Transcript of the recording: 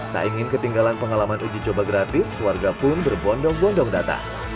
tak ingin ketinggalan pengalaman uji coba gratis warga pun berbondong bondong datang